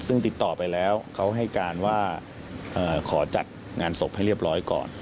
ซึ่งติดต่อไปแล้วเขาให้การว่าขอจัดงานศพให้เรียบร้อยก่อน